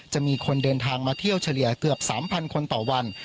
จะมีคนเดินทางมาเที่ยวเฉลี่ยเกือบ๓๐๐คนต่อวัน